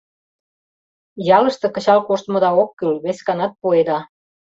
Ялыште кычал коштмыда ок кӱл, весканат пуэда.